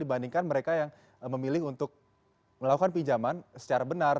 dibandingkan mereka yang memilih untuk melakukan pinjaman secara benar